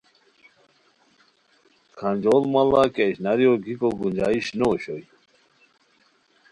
کھانجوڑ ماڑا کیہ اشناواریو گیکو گنجائش نو اوشوئے